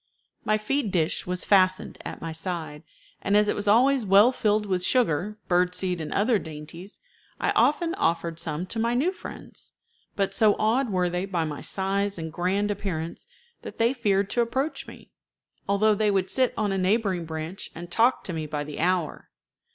My feed dish was fastened at my side, and as it was always well filled with sugar, bird seed, and other dainties, I often offered some to my new friends; but so awed were they by my size and grand appearance that they feared to approach me, although they would sit on a neighboring branch and talk to me by the hour.